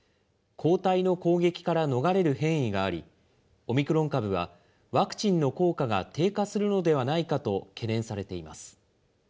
抗体の攻撃から逃れる変異があり、オミクロン株はワクチンの効果が低下するのではないかと懸念されています。